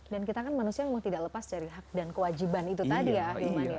dan kita kan manusia yang tidak lepas dari hak dan kewajiban itu tadi ya